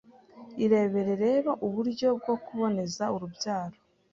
Irebere rero uburyo bwo kuboneza urubyaro